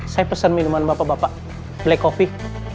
saya pesan minuman bapak bapak black coffee